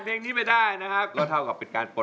ลองได้หรือว่าลองผิดครับ